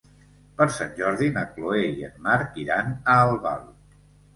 Per Sant Jordi na Chloé i en Marc iran a Albal.